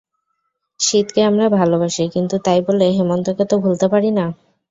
শীতকে আমরা ভালোবাসি কিন্তু তাই বলে হেমন্তকে তো ভুলতে পারি না।